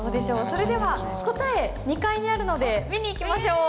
それでは答え２階にあるので見に行きましょう。